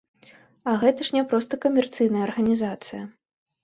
А гэта ж не проста камерцыйная арганізацыя.